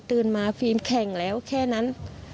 อยู่ดีมาตายแบบเปลือยคาห้องน้ำได้ยังไง